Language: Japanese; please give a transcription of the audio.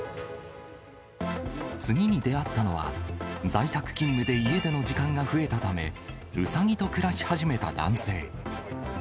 次に出会ったのは、在宅勤務で家での勤務が増えたため、ウサギと暮らし始めた男性。